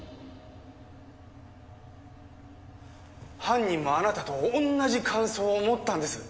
犯人もあなたと同じ感想を持ったんです。